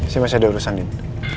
saya masih ada urusan